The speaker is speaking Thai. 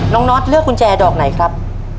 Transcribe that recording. น็อตเลือกกุญแจดอกไหนครับ